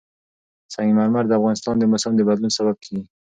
سنگ مرمر د افغانستان د موسم د بدلون سبب کېږي.